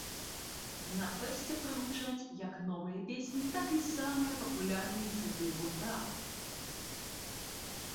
На фэсце прагучаць як новыя песні, так і самыя папулярныя хіты гурта!